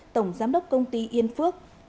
tổng giám đốc công ty yên phước